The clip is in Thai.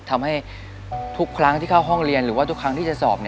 ทำให้ทุกครั้งที่เข้าห้องเรียนหรือว่าทุกครั้งที่จะสอบ